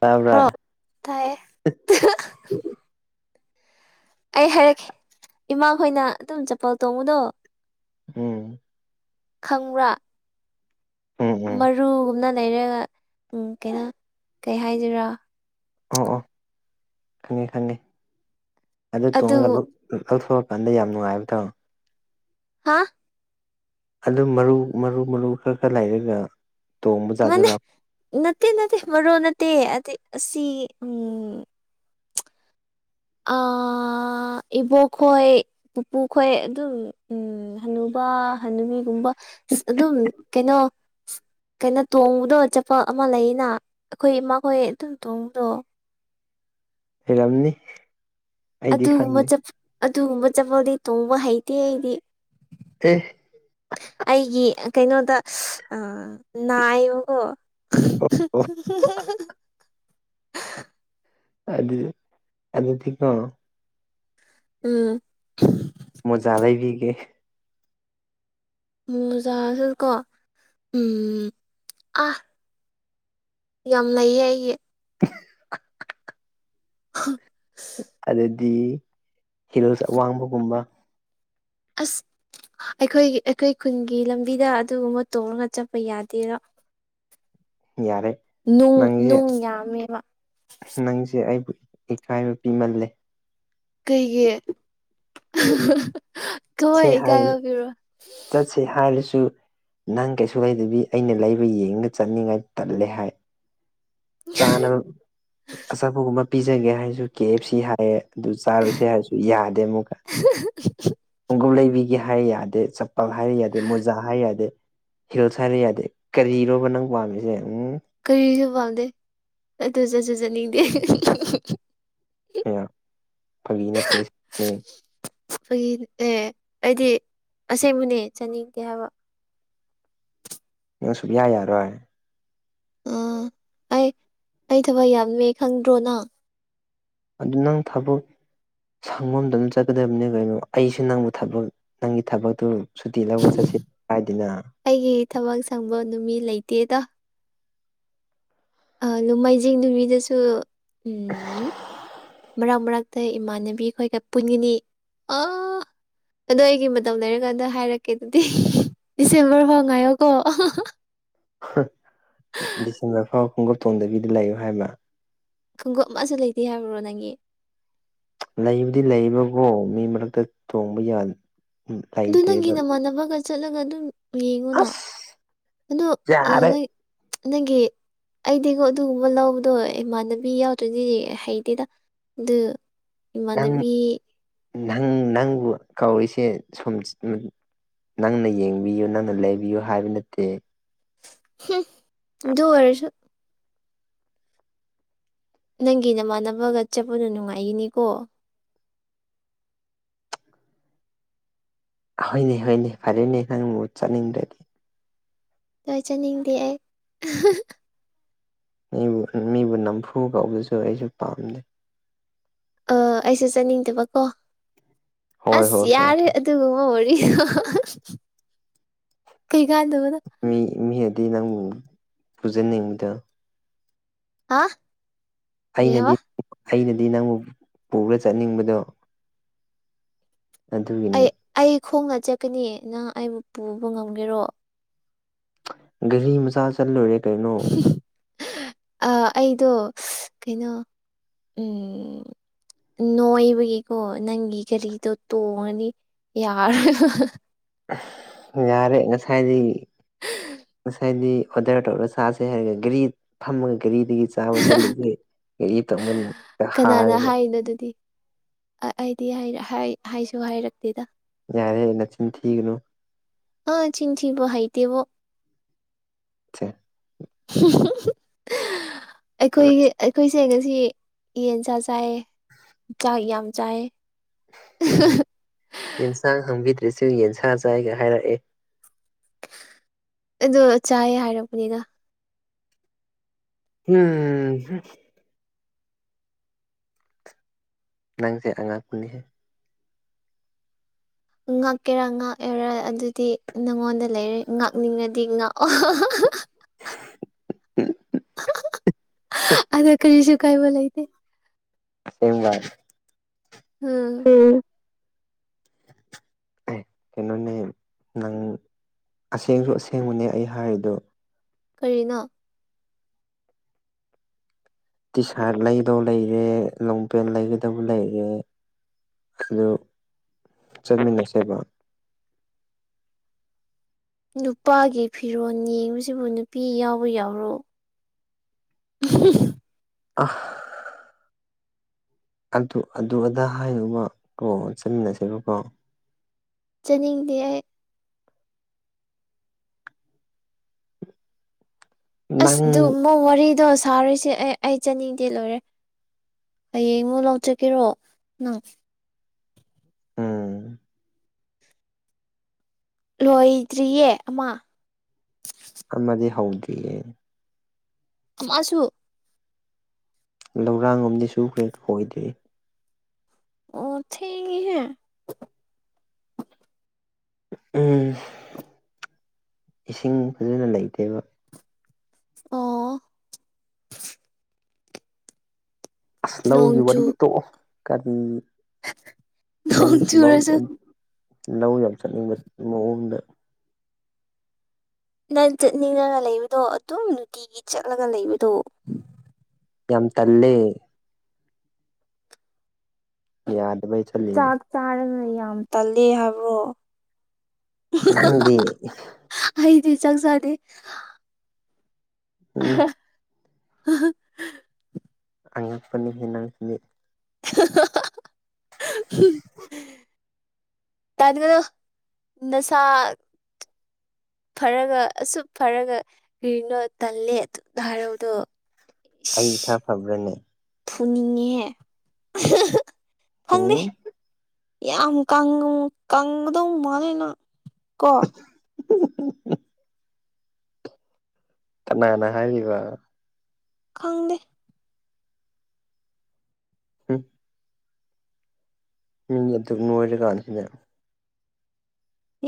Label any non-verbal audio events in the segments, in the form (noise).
ꯇꯕ꯭ꯔꯥ ꯇꯥꯏ ꯑꯩ ꯍꯥꯏꯔꯛꯈꯤꯦ ꯏꯃꯥꯈꯣꯏꯅ ꯑꯗꯨꯝ ꯆꯄꯜ ꯇꯣꯡꯉꯨꯗꯣ ꯎꯝ ꯈꯪꯕ꯭ꯔꯥ ꯎꯝ ꯎꯝ ꯃꯔꯨꯒꯨꯝꯅ ꯂꯩꯔꯒ ꯀꯩꯅꯣ ꯀꯩ ꯍꯥꯏꯗꯣꯏꯔꯥ ꯑꯣ ꯑꯣ ꯈꯪꯉꯦ ꯈꯪꯉꯦ ꯑꯗꯨ ꯇꯣꯡꯉꯒ ꯂ ꯑꯁꯣꯄꯥꯟꯗ ꯌꯥꯝ ꯅꯨꯡꯉꯥꯏꯕ ꯇ ꯊꯥꯃꯣ ꯍꯥ ꯑꯗꯨ ꯃꯔꯨ ꯃꯔꯨ ꯃꯔꯨ ꯈꯔ ꯈꯔ ꯂꯩꯔꯒ ꯇꯣꯡꯕꯖꯥꯠꯁꯨ ꯃꯅꯦ ꯂꯥꯄ ꯅꯠꯇꯦ ꯅꯠꯇꯦ ꯃꯔꯣ ꯅꯠꯇꯦ ꯑ ꯑꯁꯤ ꯎꯝ ꯏꯕꯣꯛ ꯈꯣꯏ ꯄꯨꯄꯨ ꯈꯣꯏ ꯑꯗꯨꯝ ꯍꯟꯅꯨꯕ ꯍꯅꯨꯕꯤꯒꯨꯝꯕ ꯑꯗꯨꯝ ꯀꯩꯅꯣ ꯀꯩꯅꯣ ꯇꯣꯡꯕꯗꯣ ꯆꯄ ꯑꯃ ꯂꯩꯅ ꯑꯩꯈꯣꯏ ꯃꯈꯈꯣꯏ ꯑꯗꯨꯝ ꯇꯣꯡꯕꯗꯣ ꯍꯔꯝꯅꯤ ꯑꯗꯨꯒꯨꯝꯕ ꯑꯗꯨꯒꯨꯝꯕ ꯆꯠꯄꯥꯎꯗꯤ ꯇꯣꯡꯕ ꯍꯩꯇꯦ ꯑꯩꯗꯤ ꯁꯤ ꯑꯩꯒꯤ ꯀꯩꯅꯣꯗ ꯅꯥꯏꯕꯀꯣ ꯑꯣ ꯑꯣ (unintelligible) ꯑꯗꯨꯗꯤ ꯑ ꯊꯤꯀꯣ ꯎꯝ ꯃꯖꯥꯗꯕꯤꯤꯒꯦ ꯃꯖꯥꯁ ꯀꯣ ꯎꯝ ꯑ ꯌꯥꯝ ꯂꯩꯌꯦ ꯑꯩꯒꯤ (unintelligible) (unintelligible) ꯑꯗꯨꯗꯤ ꯍꯤꯔꯣꯜꯁꯦ ꯑꯋꯥꯡꯕꯒꯨꯝꯕ ꯑꯁ ꯑꯩꯈꯣꯏꯒꯤ ꯑꯩꯈꯣꯏ ꯈꯨꯟꯒꯤ ꯂꯝꯕꯤꯗ ꯑꯗꯨꯒꯨꯝꯕ ꯇꯣꯡꯔꯒ ꯆꯠꯄ ꯌꯥꯗꯦꯔꯣ ꯌꯥꯔꯦ ꯅꯨꯡ ꯅꯪꯁꯦ ꯅꯨꯡ ꯌꯥꯝꯃꯦꯕ ꯅꯪꯁꯦ ꯑꯩꯕꯨ ꯏꯀꯥꯏꯕ ꯄꯤꯃꯜꯂꯦ ꯀꯩꯒꯤ ꯀꯃꯥꯏ ꯁꯦ ꯍꯥꯏ ꯏꯀꯥꯏꯕ ꯄꯤꯔꯣ ꯆꯠꯁꯦ ꯍꯥꯏꯔꯁꯨ ꯅꯪ ꯀꯩꯁꯨ ꯂꯩꯗꯕꯤ ꯑꯩꯅ ꯂꯩꯕ ꯌꯦꯡꯉꯒ ꯆꯠꯅꯤꯡꯉꯥꯏ ꯇꯜꯂꯦ ꯍꯥꯏ ꯆꯥꯅꯕ ꯑꯆꯥꯄꯣꯠ ꯀꯨꯝꯕꯥ ꯄꯤꯖꯒꯦ ꯍꯥꯏꯔꯁꯨ ꯀꯦ ꯑꯦꯐ ꯁꯤ ꯍꯥꯏꯌꯦ ꯑꯗꯨ ꯆꯥꯔꯨꯁꯦ ꯍꯥꯏꯔꯁꯨ ꯌꯥꯗꯦ ꯑꯃꯨꯛꯀ ꯎ ꯈꯣꯡꯒꯝ ꯂꯩꯕꯤꯒꯤ ꯍꯥꯏꯔ ꯌꯥꯗꯦ ꯆꯄꯜ ꯍꯥꯏꯔ ꯌꯥꯗꯦ ꯃꯣꯖꯥ ꯍꯥꯏꯔ ꯌꯥꯗꯦ ꯍꯤꯜꯁ ꯍꯥꯏꯔꯤ ꯌꯥꯗꯦ ꯀꯔꯤꯔꯣꯕ ꯅꯪ ꯄꯥꯝꯃꯤꯁꯦ ꯎꯝ ꯀꯔꯤꯁꯨ ꯄꯥꯎꯝꯗꯦ ꯑꯗꯨ ꯆꯠꯁꯨ ꯆꯠꯅꯤꯡꯗꯦ ꯑꯌꯥꯝ ꯐꯒꯤ ꯅꯠꯇꯦ ꯁꯤꯅꯦ ꯑꯩꯒꯤ ꯑꯦ ꯑꯩꯗꯤ ꯑꯁꯦꯡꯕꯅꯦ ꯆꯥꯅꯤꯡꯗꯦ ꯍꯥꯏꯕ ꯅꯪ ꯁꯨꯛꯌꯥ ꯌꯥꯔꯣꯏ ꯑꯥ ꯑꯩ ꯑꯩ ꯊꯕꯛ ꯌꯥꯝꯃꯦ ꯈꯪꯗ꯭ꯔꯣꯅ ꯑꯗꯨ ꯅꯪ ꯊꯕꯛ ꯁꯪꯐꯝꯝꯗ ꯑꯗꯨꯝ ꯆꯠꯀꯗꯕꯅꯤ ꯀꯩꯅꯣ ꯑꯩꯁꯨ ꯅꯪꯕꯨ ꯊꯕꯛ ꯅꯪꯒꯤ ꯊꯕꯛꯇꯨ ꯁꯨꯇꯤ ꯂꯧꯒ ꯆꯠꯁꯤ ꯍꯥꯏꯗꯅ ꯑꯩꯒꯤ ꯊꯕꯛ ꯁꯪꯕ ꯅꯨꯃꯤꯠ ꯂꯩꯇꯦꯗ ꯑꯥ ꯅꯣꯃꯥꯏꯖꯤꯡ ꯅꯨꯃꯤꯗꯁꯨ ꯎꯝ ꯃꯔꯛ ꯃꯔꯛꯇ ꯏꯃꯥꯟꯅꯕꯤꯈꯣꯏꯒ ꯄꯨꯟꯒꯅꯤ ꯑ ꯑꯗꯣ ꯑꯩꯒꯤ ꯃꯇꯝ ꯂꯩꯔꯀꯥꯟꯗ ꯍꯥꯏꯔꯛꯀꯦ ꯑꯗꯨꯗꯤ ꯗꯤꯁꯦꯝꯕꯔ ꯐꯥꯎ ꯉꯥꯏꯌꯣꯀꯣ ꯍꯥ ꯗꯤꯁꯦꯝꯕꯔ ꯐꯥꯎ ꯈꯣꯡꯎꯞ ꯇꯣꯡꯗꯕꯤꯗ ꯂꯩꯌꯨ ꯍꯥꯏꯕꯔꯥ ꯈꯣꯡꯒꯨꯞ ꯑꯃꯁꯨ ꯂꯩꯇꯦ ꯍꯥꯏꯕ꯭ꯔꯣ ꯅꯪꯒꯤ ꯂꯩꯕꯗꯤ ꯂꯩꯕꯀꯣ ꯃꯤ ꯃꯔꯛꯇ ꯇꯣꯡꯕ ꯌꯥꯗ ꯗꯨ ꯅꯪꯒꯤ ꯅꯃꯥꯟꯅꯕꯒ ꯆꯠꯂꯒ ꯑꯗꯨꯝ ꯌꯦꯡꯉꯨꯅ ꯑꯁ ꯑꯗꯣ ꯑꯥ ꯌꯥꯔꯦ ꯅꯪ ꯅꯪꯒꯤ ꯑꯩꯗꯤꯀꯣ ꯑꯗꯨꯒꯨꯝꯕ ꯂꯧꯕꯗꯣ ꯏꯃꯥꯟꯅꯕꯤ ꯌꯥꯎꯗ꯭ꯔꯗꯤ ꯍꯩꯇꯦꯗ ꯗꯨ ꯏꯃꯥꯟꯅꯕꯤ ꯅꯍꯟ ꯅꯪꯕꯨ ꯀꯧꯔꯤꯁꯦ ꯁꯨꯝ ꯎꯝ ꯅꯪꯅ ꯌꯦꯡꯕꯤꯌꯨ ꯅꯪꯅ ꯂꯩꯕꯤꯌꯨ ꯍꯥꯏꯕ ꯅꯠꯇꯦ ꯍꯝ ꯗꯨ ꯑꯣꯏꯔꯁꯨ ꯅꯪꯒꯤ ꯅꯃꯥꯟꯅꯕꯒ ꯆꯠꯄꯗꯣ ꯅꯨꯡꯉꯥꯏꯒꯅꯤꯀꯣ ꯍꯣꯏꯅꯦ ꯍꯣꯏꯅꯦ ꯐꯔꯦꯅꯦ ꯅꯪꯕꯨ ꯆꯠꯅꯤꯡꯗ꯭ꯔꯗꯤ ꯂꯣꯏꯖꯅꯤꯡꯗꯦ ꯑꯩ ꯃꯤꯕꯨ ꯃꯤꯕꯨ ꯅꯝꯐꯨ ꯀꯧꯕꯁꯨ ꯑꯩꯁꯨ ꯄꯥꯝꯗꯦ ꯑ ꯑꯩꯁꯨ ꯆꯠꯅꯤꯡꯗꯕꯀꯣ ꯍꯣꯏ ꯑꯁ ꯍꯣꯏ ꯍꯣꯏ ꯌꯥꯔꯦ ꯗꯨꯒꯨꯝꯕ ꯋꯥꯔꯤ ꯀꯩꯀꯥꯟꯗꯕꯗ ꯃꯤ ꯃꯤ ꯑꯗꯤ ꯅꯪꯕꯨ ꯄꯨꯖꯅꯤꯡꯗ ꯑꯥ ꯑꯩꯅꯗꯤ ꯑꯩꯅꯗꯤ ꯅꯪꯕꯨ ꯄꯨꯔ ꯆꯠꯅꯤꯡꯕꯗꯣ ꯑꯗꯨꯒꯤꯅꯤ ꯑꯩ ꯑꯩ ꯈꯣꯡꯅ ꯆꯠꯀꯅꯤ ꯅꯪ ꯑꯩꯕꯨ ꯄꯨꯕ ꯉꯝꯒꯦꯔꯣ ꯒꯔꯤ ꯃꯁꯥ ꯆꯜꯂꯨꯔꯦ ꯀꯩꯅꯣ ꯑ ꯑꯩꯗꯣ ꯀꯩꯅꯣ ꯎꯝ ꯅꯣꯏꯕꯒꯤꯀꯣ ꯅꯪꯒꯤ ꯒꯥꯔꯤꯗꯣ ꯇꯣꯡꯉꯗꯤ ꯌꯥꯔꯣꯏ ꯌꯥꯔꯦ ꯉꯁꯥꯏꯗꯤ ꯉꯁꯥꯏꯗꯤ ꯑꯣꯔꯗꯔ ꯇꯧꯔꯒ ꯁꯥꯥꯁꯦ ꯍꯥꯏꯔꯒ ꯒꯥꯔꯤ ꯐꯝꯃꯒ ꯘꯔꯤꯗꯒꯤ ꯆꯥꯕ ꯆꯠꯂꯤꯁꯦ ꯑꯩ ꯇꯣꯒꯟ ꯍꯥꯔꯒ ꯩꯅ ꯑꯗꯨꯗꯤ ꯑꯩꯗꯤ ꯍꯥꯏꯁꯨ ꯍꯥꯏꯔꯛꯇꯦꯗ ꯌꯥꯔꯦ ꯅꯆꯤꯟ ꯊꯤꯛꯅ ꯑ ꯆꯤꯟꯁꯤꯤꯕꯣ ꯍꯥꯏꯥꯏꯇꯦꯕꯣ (unintelligible) ꯑꯩꯈꯣꯏꯒꯤ ꯑꯩꯈꯣꯏꯁꯦ ꯉꯁꯤ ꯌꯦꯟꯁꯥ ꯆꯥꯏ ꯆꯥꯛ ꯌꯥꯝ ꯆꯥꯏ ꯎꯝ ꯌꯦꯟꯁꯥꯡ ꯍꯥꯡꯕꯤꯗ꯭ꯔꯁꯨ ꯌꯦꯟꯁꯥ ꯆꯥꯏꯒ ꯍꯥꯏꯔꯛꯑꯦ ꯑꯗꯣ ꯆꯥꯏ ꯍꯥꯏꯔꯛꯄꯅꯤꯅ ꯎꯝ ꯍꯨꯝ ꯅꯪꯁꯦ ꯑꯉꯛꯄꯅꯤꯍꯦ ꯉꯛꯀꯦꯔꯥ ꯉꯛꯑꯦꯔꯥ ꯑꯗꯨꯗꯤ ꯅꯉꯣꯟꯗ ꯂꯩꯔꯦ ꯉꯛꯅꯤꯡꯉꯗꯤ ꯉꯛꯑꯣ ꯑꯗꯨ ꯀꯔꯤꯁꯨ ꯀꯥꯏꯕ ꯂꯩꯇꯦ (unintelligible) ꯑꯥ ꯎꯪ ꯑꯥꯏ ꯀꯩꯅꯣꯅꯦꯍꯦ ꯅꯪ ꯑꯁꯦꯡꯁꯨ ꯑꯁꯦꯡꯕꯅꯦ ꯑꯩ ꯍꯥꯏꯔꯤꯗꯣ ꯀꯔꯤꯅꯣ ꯇꯤ ꯁꯥꯠ ꯂꯩꯗꯧ ꯂꯩꯔꯦ ꯂꯣꯡꯄꯦꯟ ꯂꯩꯒꯗꯕ ꯂꯩꯔꯦ ꯑꯗꯨ ꯆꯠꯃꯤꯟꯅꯁꯦꯕ ꯅꯨꯄꯥꯒꯤ ꯐꯤꯔꯣꯜ ꯌꯦꯡꯕꯁꯤꯕꯨ ꯅꯨꯄꯤ ꯌꯥꯎꯕ ꯌꯥꯎꯔꯣ ꯎ ꯑꯍ ꯑꯗꯨ ꯑꯗꯨ ꯑꯗꯥ ꯍꯥꯏꯌꯨꯕ ꯀꯣꯛ ꯆꯠꯃꯤꯟꯅꯁꯕꯀꯣ ꯆꯠꯅꯤꯡꯗꯦ ꯑꯩ ꯑꯁ ꯑꯗꯨ ꯅꯪ ꯃꯣꯏ ꯋꯥꯔꯤꯗꯣ ꯁꯥꯔꯤꯁꯦ ꯑꯩ ꯑꯩ ꯆꯅꯤꯗꯤ ꯂꯣꯏꯔꯦ ꯍꯌꯦꯡ ꯑꯃꯨ ꯂꯧꯆꯒꯦꯔꯣ ꯅꯪ ꯑꯣꯝ ꯂꯣꯏꯗ꯭ꯔꯤꯌꯦ ꯑꯃ ꯑꯃꯗꯤ ꯍꯧꯗ꯭ꯔꯤꯌꯦ ꯑꯁꯨ ꯂꯧꯔꯥꯡ ꯑ ꯁꯨꯈ꯭ꯔꯦꯛ ꯀꯣꯏꯗꯦ ꯑꯣ ꯊꯍꯦ ꯎ ꯏꯁꯤꯡ ꯐꯖꯅ ꯂꯩꯇꯦꯕ ꯑꯣ ꯑꯁ ꯂꯧꯒꯤ ꯋꯥꯔꯤ ꯅꯣꯡꯆꯨ ꯇꯣꯛꯑꯣ ꯀꯔꯤ ꯅꯣꯡ ꯑꯩꯨꯕꯨ ꯂꯧ ꯆꯨꯔꯁꯨ ꯂꯧ ꯌꯥꯝ ꯆꯠꯅꯤꯡꯕ ꯃꯑꯣꯡꯗ ꯅꯪ ꯆꯠꯅꯤꯡꯉꯒ ꯂꯩꯕꯗꯣ ꯑꯗꯨꯝ ꯅꯨꯡꯇꯤꯒꯤ ꯆꯠꯂꯒ ꯂꯩꯕꯗꯣ ꯌꯥꯝ ꯇꯜꯂꯦ ꯌꯥ ꯑꯗꯨꯗ ꯆꯥꯛ ꯆꯥꯔꯒ ꯌꯥꯝ ꯇꯜꯂ ꯍꯥꯏꯕ꯭ꯔꯣ ꯅꯪꯗꯤ ꯑꯩꯗꯤ ꯆꯥꯛ ꯆꯥꯗꯦ ꯎꯝ ꯑ ꯑꯉꯥꯡ ꯐꯅꯤ ꯍꯟꯅꯁꯤꯗꯤ ꯎ ꯇꯗ ꯃꯅꯣ ꯅꯁꯥ ꯐꯔꯒ ꯑꯁꯨꯛ ꯐꯔꯒ ꯀꯔꯤꯅꯣ ꯇꯜꯂꯦ ꯑꯗꯨꯅ ꯍꯥꯏꯔꯧꯗꯣ ꯑꯩ ꯏꯁꯥ ꯐꯕ꯭ꯔꯅꯦ ꯐꯨꯅꯤꯡꯉꯤꯍ‌ꯦ (unintelligible) ꯈꯪꯗ‌ꯦ ꯎꯝ ꯌꯥꯝ ꯀꯪꯕꯗꯧ ꯃꯥꯂꯦꯅꯪ ꯀꯣ (unintelligible) ꯀꯅꯥꯅ ꯍꯥꯏꯔꯤꯕ ꯈꯪꯗꯦ ꯍꯝ ꯅꯪꯗꯤ ꯑꯗꯨꯝ ꯅꯣꯏꯔꯀꯥꯟꯁꯤꯗ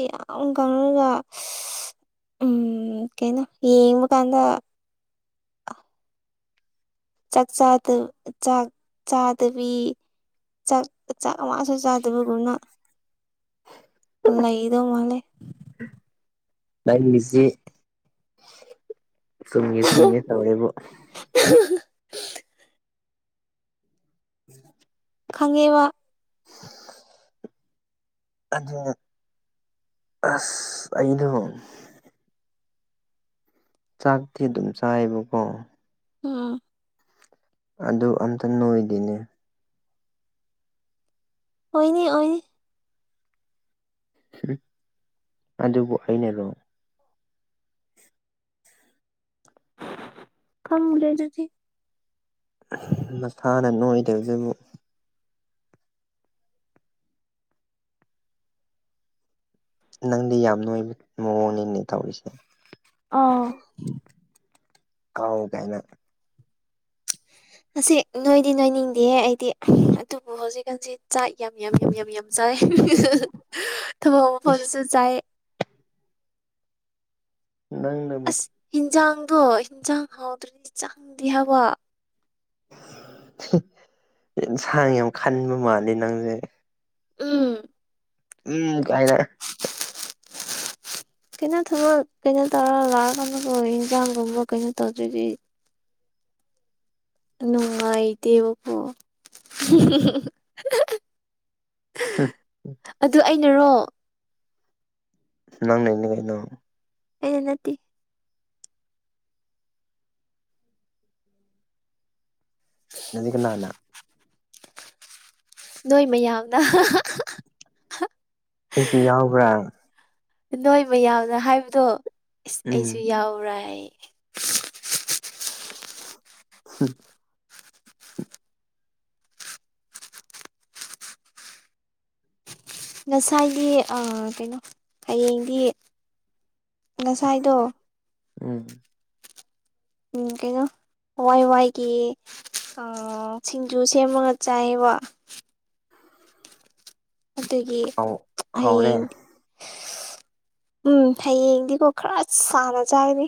ꯌꯥꯝ ꯀꯪꯉꯒ ꯎꯝ ꯀꯩꯅꯣ ꯌꯦꯡꯕ ꯀꯥꯟꯗ ꯆꯥꯛ ꯆꯗ ꯆꯥꯛ ꯆꯥꯗꯕꯤ ꯆꯥꯛ ꯆꯥꯛ ꯋꯥꯁꯨ ꯆꯥꯗꯕꯒꯨꯝꯅ ꯂꯩꯗꯧ ꯃꯥꯂꯦ ꯂꯏꯟ ꯖꯤ ꯆꯨꯝꯒꯦ ꯆꯨꯝꯒꯦ ꯇꯧꯋꯦꯕꯨ ꯑ ꯎ ꯈꯪꯉꯦꯕ ꯑꯗꯨꯅ ꯑꯁ ꯑꯩꯗꯣ ꯆꯥꯛꯇꯤ ꯑꯗꯨꯝ ꯆꯥꯏꯌꯦꯕꯀꯣ ꯎꯥ ꯑꯗꯨ ꯑꯝꯇ ꯅꯣꯏꯗꯤꯅꯦ ꯑꯣꯏꯅꯤ ꯑꯣꯏꯅꯤ ꯑꯗꯨꯕꯨ ꯑꯩꯅꯣ ꯈꯪꯂ‌ꯦꯗꯨꯗꯤ ꯃꯁꯥꯅ ꯅꯣꯏꯗꯕꯁꯤꯕꯨ ꯅꯪꯗꯤ ꯌꯥꯝ ꯅꯣꯏꯕ ꯃꯑꯣꯡꯅꯤꯅꯦ ꯇꯧꯔꯤꯁꯦ ꯑꯥ ꯀꯣ ꯒꯥꯏꯅ ꯑꯁꯤ ꯅꯣꯏꯗꯤ ꯅꯣꯏꯅꯤꯡꯗꯦ ꯑꯩꯗꯤ ꯑꯗꯨꯕꯨ ꯍꯧꯖꯤꯛꯀꯥꯟꯁꯤ ꯆꯥꯛ ꯌꯥꯝ ꯌꯥꯝ ꯌꯥꯝ ꯌꯥꯝ ꯌꯥꯝ ꯆꯥꯏ ꯊꯕꯛ ꯏꯁ ꯃꯐꯝꯗꯁꯨ ꯆꯥꯏ ꯅꯪꯅ ꯑꯁ ꯍꯟꯖꯥꯡꯗꯣ ꯍꯟꯖꯥꯡ ꯍꯥꯎꯗ꯭ꯔꯗꯤ ꯆꯪꯗꯦ ꯍꯥꯏꯕ ꯏꯟꯁꯥꯡ ꯌꯥꯝ ꯈꯟꯕ ꯃꯥꯜꯂ‌ꯦ ꯅꯪꯁꯦ ꯎꯝ ꯎꯝ ꯀꯥꯏꯅ ꯀꯩꯅꯣ ꯊꯕꯛ ꯀꯩꯅꯣ ꯇꯧꯔ ꯂꯥꯛꯑꯀꯥꯟꯗꯁꯨ ꯌꯦꯟꯖꯥꯡꯒꯨꯝꯕ ꯀꯩꯅꯣ ꯇꯧꯗ꯭ꯔꯗꯤ ꯅꯨꯡꯉꯥꯏꯇꯦꯕꯀꯣ ꯍꯝ ꯑꯗꯨ ꯑꯩꯅꯔꯣ ꯅꯪ ꯂꯩꯅꯤ ꯀꯩꯅ‌ꯣ ꯑꯩꯅ ꯅꯠꯇ‌ꯦ ꯅꯗꯤ ꯀꯅꯥꯅ ꯅꯣꯏ ꯃꯌꯥꯝꯅ ꯑꯩꯁꯨ ꯌꯥꯎꯕ꯭ꯔꯥ ꯅꯣꯏ ꯃꯌꯥꯎꯅ ꯍꯥꯏꯕꯗꯣ ꯏꯁ ꯎꯝ ꯑꯩꯁꯨ ꯌꯥꯎꯕꯔꯥꯌ‌ꯦ ꯍꯝ ꯉꯁꯥꯏꯒꯤ ꯑꯥ ꯀꯩꯅꯣ ꯍꯌꯦꯡꯗꯤ ꯉꯁꯥꯏꯗ‌ꯣ ꯎꯝ ꯍ ꯀꯦꯉ ꯍꯋꯥꯏ ꯋꯥꯏꯒꯤ ꯁꯤꯡꯖꯨ ꯁꯦꯝꯃꯒ ꯆꯥꯏꯑꯕ ꯑꯗꯨꯒꯤ ꯍꯥꯎ ꯍꯥꯎꯔꯦ ꯍꯌꯦꯡ ꯎꯝ ꯍꯌꯦꯡꯗꯤꯀꯣ ꯈꯔ ꯁꯥꯟꯅ ꯆꯥꯏꯅꯤ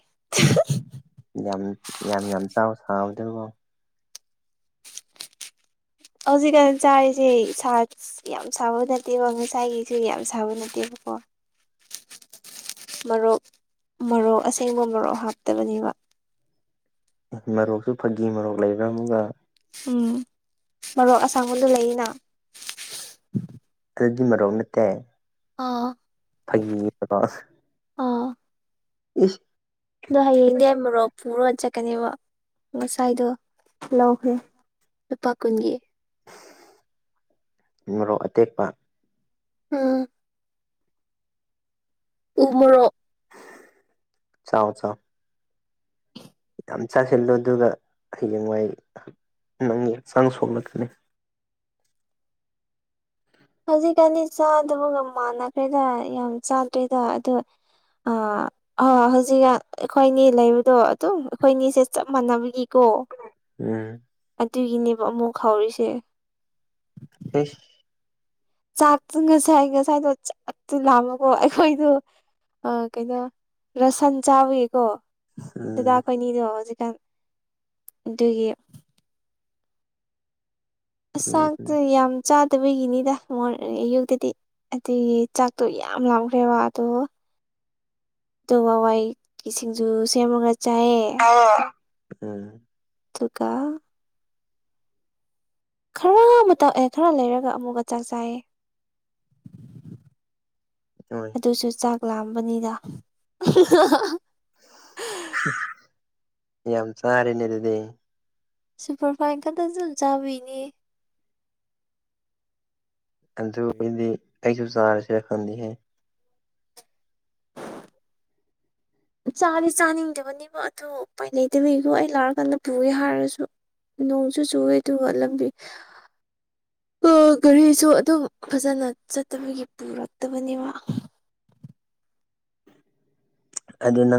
ꯌꯥꯝ ꯌꯥꯝ ꯌꯥꯝ ꯆꯥꯎ ꯁꯥꯎꯕꯗꯕꯣ ꯑꯖꯤꯛꯀꯥꯟ ꯆꯥꯔꯤꯁꯤ ꯁꯥꯠ ꯑ ꯌꯥꯝ ꯁꯥꯕ ꯅꯠꯇꯦꯕ ꯉꯁꯥꯏꯒꯤꯁꯨ ꯌꯥꯝ ꯁꯥꯕ ꯅꯠꯇꯦꯕꯀꯣ ꯃꯔꯣꯛ ꯃꯔꯣꯛ ꯑꯁꯦꯡꯕ ꯃꯣꯔꯣꯛ ꯍꯥꯞꯇꯕꯅꯦꯕ ꯃꯔꯣꯛꯁꯨ ꯐꯥꯒꯤ ꯃꯔꯣꯛ ꯂꯩꯕ ꯑꯃꯒ ꯎꯝ ꯃꯔꯣꯛ ꯑꯁꯥꯡꯕꯗꯨ ꯂꯩꯌꯦꯅ ꯑꯗꯨꯗꯤ ꯃꯣꯔꯣꯛ ꯅꯠꯇꯦ ꯑꯥ ꯐꯥꯒꯤꯒꯤ ꯃꯣꯔꯣꯛ ꯑꯥ ꯏꯁ ꯑꯗꯣ ꯍꯌꯦꯡꯗꯤ ꯑꯩ ꯃꯣꯔꯣꯛ ꯄꯨꯔꯒ ꯆꯠꯀꯅꯦꯕ ꯉꯁꯥꯏꯗꯣ ꯂꯧꯈ꯭ꯔꯦ ꯂꯨꯄꯥ ꯀꯨꯟꯒꯤ ꯃꯣꯔꯣꯛ ꯑꯇꯦꯛꯄ ꯎꯝ ꯎ ꯃ‌ꯣꯔꯣꯛ ꯆꯥꯎ ꯆꯥꯎ ꯌꯥꯝ ꯆꯥꯁꯤꯜꯂꯨ ꯑꯗꯨꯒ ꯍꯌꯦꯡꯋꯥꯏ ꯅꯪꯒꯤ ꯍꯛꯆꯥꯡ ꯁꯣꯛꯂꯛꯀꯅꯤ ꯍꯧꯖꯤꯛꯀꯥꯟꯗꯤ ꯆꯥꯗꯕꯒ ꯃꯥꯟꯅꯈ꯭ꯔꯦꯗ ꯌꯥꯝ ꯆꯥꯗ꯭ꯔ‌ꯦꯗ ꯑꯗꯣ ꯑꯥ ꯑ ꯍꯧꯖꯤꯛꯀꯥꯟ ꯑꯩꯈꯣꯏꯅꯤ ꯂꯩꯕꯗꯣ ꯑꯗꯨꯝ ꯑꯩꯈꯣꯏꯅꯤꯁꯦ ꯆꯞ ꯃꯥꯟꯅꯕꯒꯤꯀꯣ ꯎꯝ ꯑꯗꯨꯒꯤꯅꯦꯕ ꯑꯃꯨꯛ ꯈꯥꯎꯔꯤꯁꯦ ꯑꯩꯁ ꯆꯥꯛꯇꯨ ꯉꯁꯥꯏ ꯉꯁꯥꯏꯗꯣ ꯆꯥꯛꯇꯨ ꯂꯥꯝꯕꯀꯣ ꯑꯩꯈꯣꯏꯗꯣ ꯑ ꯀꯩꯅꯣ ꯔꯁꯟ ꯆꯥꯕꯒꯤꯀꯣ ꯗꯗꯥ ꯎꯝ ꯑꯩꯈꯣꯏꯅꯤꯗꯣ ꯍꯧꯖꯤꯛꯀꯥꯟ ꯑꯗꯨꯒꯤ ꯆꯥꯛꯇꯣ ꯎꯝ ꯌꯥꯝ ꯆꯥꯗꯕꯒꯤꯅꯤꯗ ꯑꯌꯨꯛꯇꯗꯤ ꯑꯗꯨꯒꯤ ꯆꯥꯛꯇꯣ ꯌꯥꯝ ꯂꯥꯎꯈ꯭ꯔꯦꯕ ꯑꯗꯣ ꯑꯗꯨꯒ ꯍꯋꯥꯏ ꯁꯤꯡꯖꯨ ꯁꯦꯝꯃꯒ ꯆꯥꯏꯑꯦ ꯑ ꯎꯝ ꯑꯗꯨꯒ ꯈꯔ ꯑꯃ ꯇꯛꯑꯦ ꯈꯔ ꯂꯩꯔꯒ ꯑꯃꯨꯛꯀ ꯆꯥꯛ ꯆꯥꯏꯌꯦ ꯍꯣꯏ ꯑꯗꯨꯁꯨ ꯆꯥꯛ ꯂꯥꯝꯕꯅꯤꯗ (unintelligible) (unintelligible) ꯌꯥꯝ ꯆꯥꯔꯦꯅꯦ ꯑꯗꯨꯗꯤ ꯁꯨꯄꯔ ꯐꯥꯏꯟ ꯈꯛꯇꯁꯨ ꯑꯗꯨ ꯆꯥꯕꯤꯅꯤ ꯑꯗꯨꯗꯤ ꯑꯩꯁꯨ ꯆꯥꯁꯤꯔ ꯈꯡꯗꯦ ꯍꯦ (inaudible) ꯆꯥꯗꯤ ꯆꯥꯅꯤꯡꯗꯕꯅꯦꯕ ꯑꯗꯨ ꯎꯄꯥꯏ ꯂꯩꯇꯕꯒꯤꯀꯣ ꯑꯩ ꯂꯥꯛꯔꯀꯥꯟꯗ ꯄꯨꯒꯦ ꯍꯥꯏꯔꯁꯨ ꯅꯣꯡꯁꯨꯨ ꯆꯨꯋꯦ ꯑꯗꯨꯒ ꯂꯝꯕꯤ ꯒꯥꯔꯤꯁꯨ ꯑꯗꯨꯝ ꯐꯖꯅ ꯆꯠꯇꯕꯒꯤ ꯄꯨꯔꯛꯇꯕꯅꯦꯕ ꯑꯗꯨ ꯅꯪ